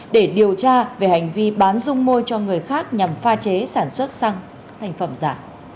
để điều tra về hành vi bán dung môi cho người khác nhằm pha chế sản xuất xăng thành phẩm giả